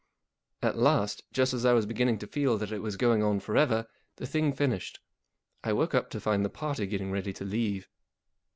At last, just as I was beginning to feel that it was going on for ever, the thing finished. I woke up to find the party getting ready to leave.